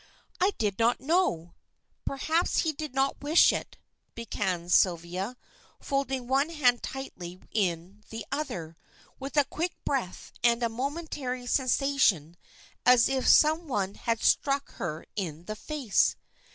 "I did not know perhaps he did not wish it " began Sylvia, folding one hand tightly in the other, with a quick breath and a momentary sensation as if some one had struck her in the face.